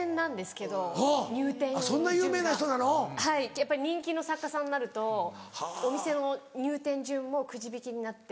やっぱり人気の作家さんになるとお店の入店順もくじ引きになって。